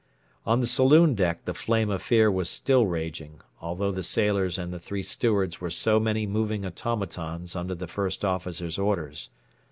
On the saloon deck the flame of fear was still raging, although the sailors and the three stewards were so many moving automatons under the First Officer's orders.